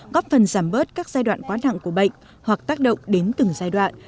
góp phần giảm bớt các giai đoạn quá nặng của bệnh hoặc tác động đến từng giai đoạn